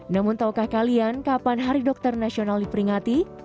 namun tahukah kalian kapan hari dokter nasional diperingati